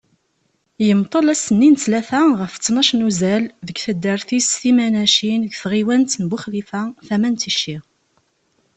Yemḍel ass-nni n ttlata ɣef ṭnac n uzal deg taddart-is Timanacin deg tɣiwant n Buxlifa, tama n Tici.